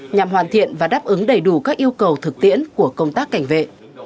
nhằm hoàn thiện và đáp ứng đầy đủ các yêu cầu thực tiễn của công tác cảnh vệ